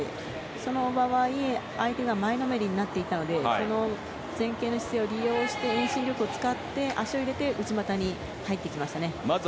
その場合、相手が前のめりになっていたのでその前傾の姿勢を利用して遠心力を使って、足を入れて内股に入ってきましたね。